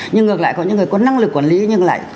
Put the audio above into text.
nhưng ngược lại có những người có năng lực quản lý nhưng lại